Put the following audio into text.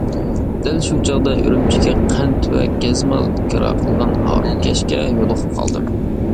دەل شۇ چاغدا ئۈرۈمچىگە قەنت ۋە گەزمال كىرا قىلغان ھارۋىكەشكە يولۇقۇپ قالدىم.